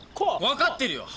分かってるよ。